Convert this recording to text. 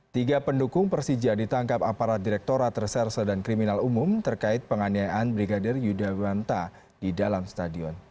tiga pendukung persija ditangkap aparat direkturat reserse dan kriminal umum terkait penganiayaan brigadir yudha wanta di dalam stadion